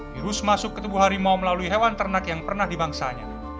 virus masuk ke tubuh harimau melalui hewan ternak yang pernah dibangsanya